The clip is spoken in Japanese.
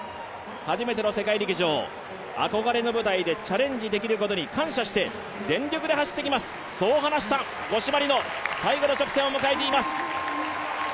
初めての世界陸上、憧れの舞台でチャレンジできることに感謝して全力で走ってきます、そう話した五島莉乃、最後の直線を迎えています。